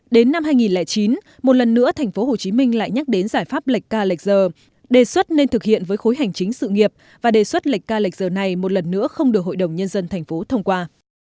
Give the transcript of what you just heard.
đến năm hai nghìn chín một lần nữa tp hcm lại nhắc đến giải pháp lệch ca lệch giờ đề xuất nên thực hiện với khối hành chính sự nghiệp và đề xuất lệch ca lệch giờ này một lần nữa không được hội đồng nhân dân thành phố thông qua